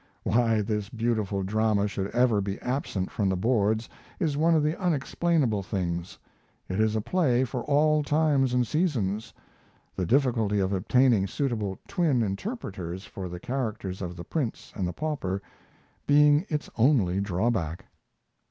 Why this beautiful drama should ever be absent from the boards is one of the unexplainable things. It is a play for all times and seasons, the difficulty of obtaining suitable "twin" interpreters for the characters of the Prince and the Pauper being its only drawback.